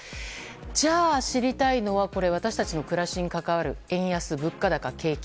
じゃあ知りたいのは私たちの暮らしに関わる円安、物価高、景気。